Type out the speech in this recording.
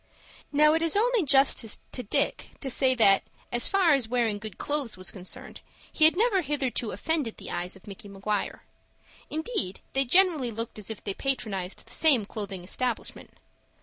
Now it is only justice to Dick to say that, so far as wearing good clothes was concerned, he had never hitherto offended the eyes of Micky Maguire. Indeed, they generally looked as if they patronized the same clothing establishment.